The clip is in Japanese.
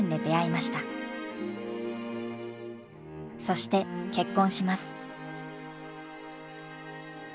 そして結婚します。